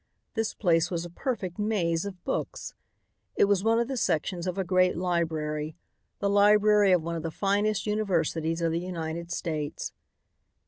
This place was a perfect maze of books. It was one of the sections of a great library, the library of one of the finest universities of the United States.